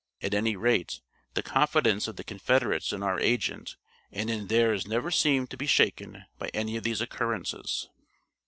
At any rate, the confidence of the Confederates in our agent and in theirs never seemed to be shaken by any of these occurrences.